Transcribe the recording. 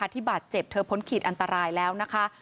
ที่บาดเจ็บเธอพ้นขีดอันตรายแล้วนะคะ